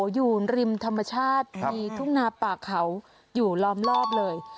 อยู่ริมธรรมชาติมีทุ่งนาป่าเขาอยู่ล้อมรอบเลย